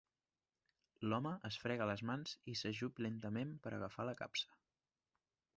L'home es frega les mans i s'ajup lentament per agafar la capsa.